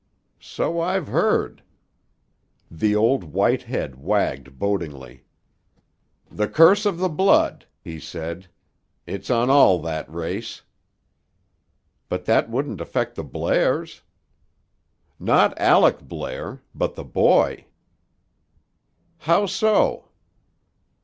"So I've heard." The old white head wagged bodingly. "The curse of the blood," he said. "It's on all that race." "But that wouldn't affect the Blairs." "Not Aleck Blair. But the boy." "How so?"